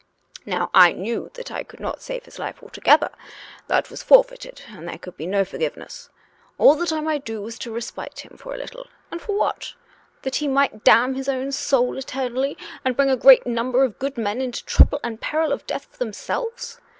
Now I knew that I could not save his life altogether; that was forfeited and there could be no forgiveness. All that I might do was to respite him for a little — and for what? That he might damn his own soul eternally and bring a great number of good men into trouble and peril of death for themselves.